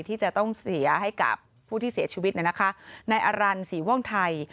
ที่จะต้องเสียให้กับผู้ที่เสียชีวิตในอรันศรีว่องไทย